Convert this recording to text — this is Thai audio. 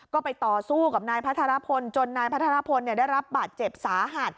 ก็ไปต่อสู้กับนายพัทรพลจนนายพัทรพลได้รับบาดเจ็บสาหัส